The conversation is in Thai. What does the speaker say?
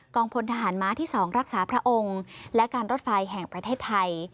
พลทหารม้าที่๒รักษาพระองค์และการรถไฟแห่งประเทศไทย